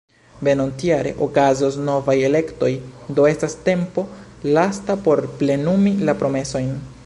Venontjare okazos novaj elektoj, do estas tempo lasta por plenumi la promesojn.